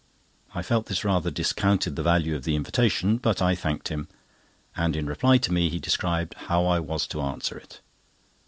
I felt this rather discounted the value of the invitation, but I thanked him; and in reply to me, he described how I was to answer it.